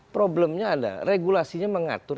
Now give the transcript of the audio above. problemnya ada regulasinya mengatur